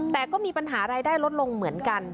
แต่ก็มีปัญหารายได้ลดลงเหมือนกัน